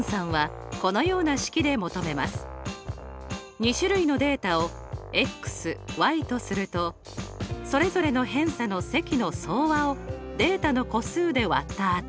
２種類のデータをとするとそれぞれの偏差の積の総和をデータの個数で割った値。